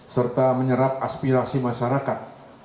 serta menyerap aspirasi masyarakat